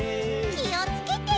きをつけて。